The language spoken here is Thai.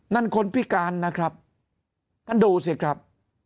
นั่นคนพิการนะครับท่านดูสิครับ